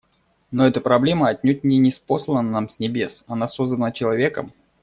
Но эта проблема отнюдь не ниспослана нам с небес; она создана человеком.